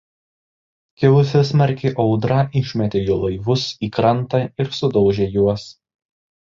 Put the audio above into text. Kilusi smarki audra išmetė jų laivus į krantą ir sudaužė juos.